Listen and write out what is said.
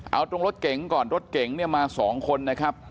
เอาตรงรถเก๋งก่อนรถเก๋งเนี่ยมา๒คนนะครับ